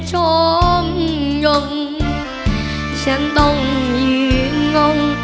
ต้องยงฉันต้องยืนงง